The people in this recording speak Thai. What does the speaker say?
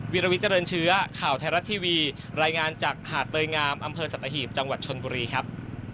วิลวิเจริญเชื้อข่าวไทยรัฐทีวีรายงานจากหาดเตยงามอำเภอสัตหีบจังหวัดชนบุรีครับ